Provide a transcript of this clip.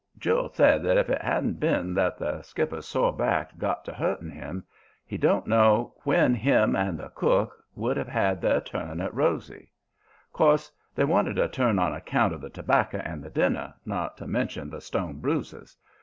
"Jule said that if it hadn't been that the skipper's sore back got to hurting him he don't know when him and the cook would have had their turn at Rosy. 'Course they wanted a turn on account of the tobacco and the dinner, not to mention the stone bruises.